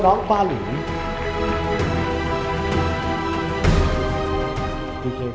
๓๓๐ครับนางสาวปริชาธิบุญยืน